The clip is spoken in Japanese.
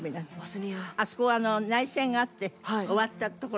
あそこはあの内戦があって終わったところで。